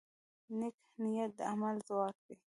نیک نیت د عمل ځواک دی.